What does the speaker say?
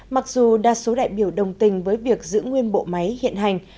mặc dù đa số đại biểu đồng tình với việc giữ nguyên bộ máy hiện hành